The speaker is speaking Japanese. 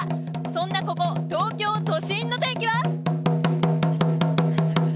そんなここ東京都心の天気は。